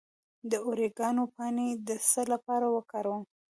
د اوریګانو پاڼې د څه لپاره وکاروم؟